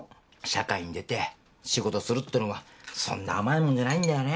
社会に出て仕事するってのはそんな甘いもんじゃないんだよね。